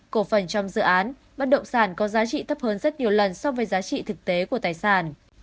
cổ phần trong dự án bất động sản có giá trị thấp hơn rất nhiều lần so với giá trị thực tế của tài sản